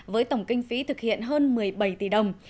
với tổng kinh phí thực hiện hơn một mươi bảy tỷ đồng